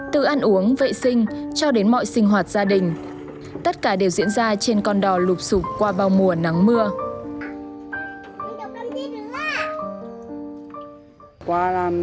từ ăn uống vệ sinh cho đến mọi sinh hoạt gia đình tất cả đều diễn ra trên con đò lụp sụp qua bao mùa nắng mưa